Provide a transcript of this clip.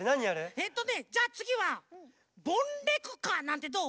えっとねじゃあつぎは「ぼんれくか」なんてどう？